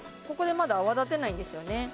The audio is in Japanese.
ここでまだ泡立てないんですよね